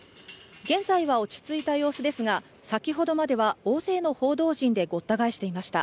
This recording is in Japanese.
現在は落ち着いた様子ですが、先ほどまでは大勢の報道陣でごった返していました。